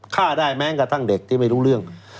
ฆ่าได้แม้กระทั่งเด็กที่ไม่รู้เรื่อง